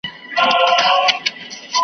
نور یې هیري کړې نارې د ګوروانانو .